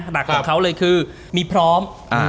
หนักของเขาเลยคือมีพร้อม